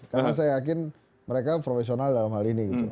karena saya yakin mereka profesional dalam hal ini gitu